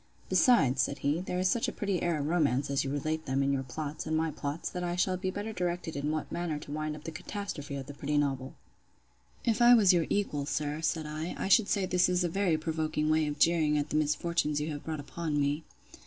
—Besides, said he, there is such a pretty air of romance, as you relate them, in your plots, and my plots, that I shall be better directed in what manner to wind up the catastrophe of the pretty novel. If I was your equal, sir, said I, I should say this is a very provoking way of jeering at the misfortunes you have brought upon me.